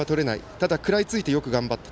ただ食らいついてよく頑張った。